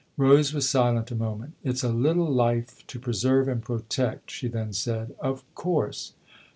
Rose was silent a moment. " It's a little life to preserve and protect," she then said. " Of course